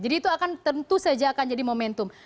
jadi itu akan tentu saja akan jadi momentum